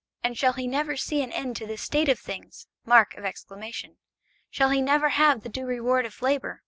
And shall he never see an end to this state of things! Shall he never have the due reward of labour!